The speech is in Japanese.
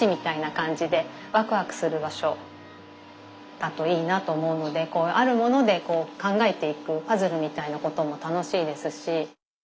だといいなと思うのでこうあるものでこう考えていくパズルみたいなことも楽しいですし。